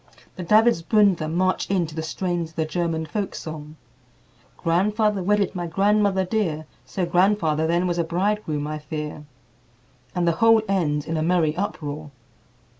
The Davidsbündler march in to the strains of the German folk song, "Grandfather wedded my grandmother dear, So grandfather then was a bridegroom, I fear," and the whole ends in a merry uproar.